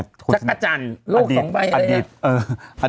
จักรจันทร์โลกสองใบเอน